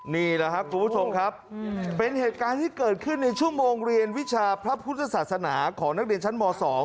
นี่แหละครับคุณผู้ชมครับเป็นเหตุการณ์ที่เกิดขึ้นในชั่วโมงเรียนวิชาพระพุทธศาสนาของนักเรียนชั้นม๒